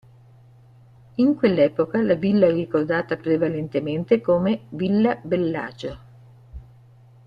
In quell'epoca la villa è ricordata prevalentemente come "villa Bellagio".